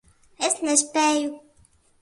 Es nespēju.